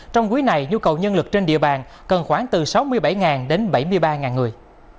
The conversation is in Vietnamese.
trong quý này nhu cầu nhân lực trên địa bàn cần khoảng từ sáu mươi bảy đến bảy mươi ba người